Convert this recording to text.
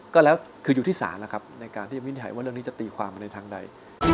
ก็แล้วคืออยู่ที่สามในการวิจัยว่าเรื่องนี้จะตีความในทางใด